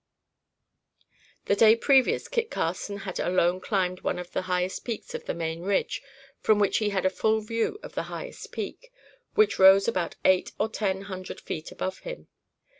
The day previous Kit Carson had alone climbed one of the highest peaks of the main ridge from which he had a full view of the highest peak, which rose about eight or ten hundred feet above him.